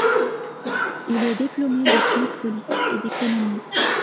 Il est diplômé de sciences politiques et d'économie.